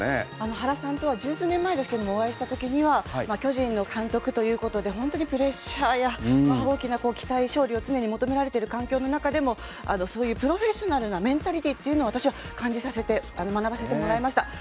原さんとはお会いしたときには巨人の監督ということで本当にプレッシャーや大きな期待勝利を常に求められている環境の中でもそういうプロフェッショナルなメンタリティ私は感じさせて学ばせてもらいました。